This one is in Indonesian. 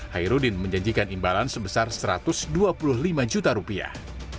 hairudin menjanjikan imbalan sebesar satu ratus dua puluh lima juta rupiah